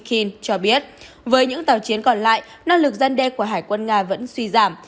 nga alexander kravchuk cho biết với những tàu chiến còn lại năng lực dân đe của hải quân nga vẫn suy giảm